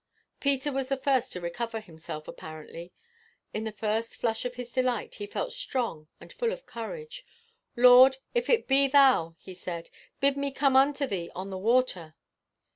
Peter was the first to recover himself apparently. In the first flush of his delight he felt strong and full of courage. 'Lord, if it be thou,' he said, 'bid me come unto thee on the water.